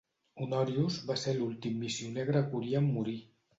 Honorius va ser l'últim missioner gregorià en morir.